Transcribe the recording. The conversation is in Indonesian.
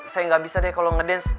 saya nggak bisa deh kalau ngedance